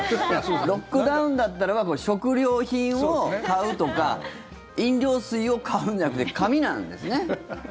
ロックダウンだったら食料品を買うとか飲料水を買うんじゃなくて髪なんですね。